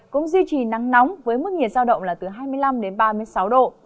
cũng duy trì nắng nóng với mức nhiệt giao động là từ hai mươi năm đến ba mươi sáu độ